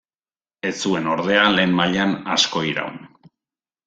Ez zuen ordea lehen mailan asko iraun.